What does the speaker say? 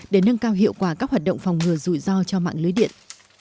để nâng cao hiệu quả các hoạt động phòng ngừa rủi ro cho mạng lưới điện